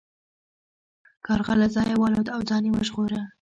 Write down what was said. کارغه له ځایه والوت او ځان یې وژغوره.